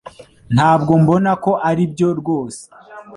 Ntabwo mbona ko aribyo rwose